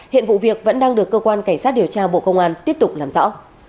hiện vụ việc vẫn đang được cơ quan cảnh sát điều tra bộ công an tiếp tục làm rõ